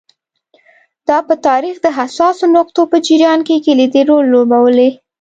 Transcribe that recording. دا په تاریخ د حساسو مقطعو په جریان کې کلیدي رول لوبولی